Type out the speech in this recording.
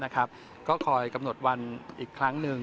ก็คอยกำหนดวันอีกครั้งหนึ่ง